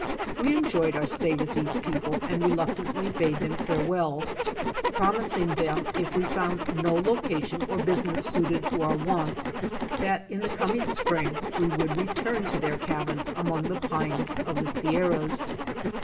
We enjoyed our stay with these people and reluctantly bade them farewell, promising them if we found no location or business suited to our wants, that in the coming spring we Avould return to their cabin among the pines of the Sierras.